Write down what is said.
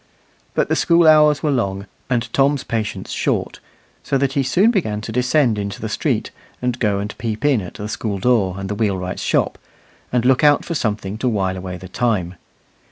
But the school hours were long and Tom's patience short, so that he soon began to descend into the street, and go and peep in at the school door and the wheelwright's shop, and look out for something to while away the time.